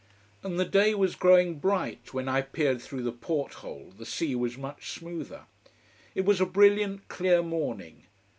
And the day was growing bright when I peered through the porthle, the sea was much smoother. It was a brilliant clear morning.